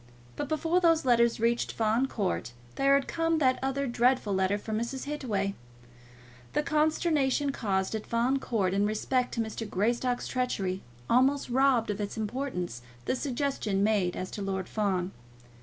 But before those letters reached Fawn Court there had come that other dreadful letter from Mrs. Hittaway. The consternation caused at Fawn Court in respect to Mr. Greystock's treachery almost robbed of its importance the suggestion made as to Lord Fawn.